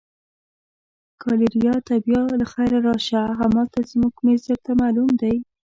ګالیریا ته بیا له خیره راشه، همالته زموږ مېز درته معلوم دی.